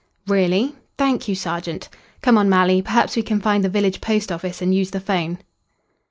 "Really? Thank you, sergeant. Come on, Malley. Perhaps we can find the village post office and use the 'phone."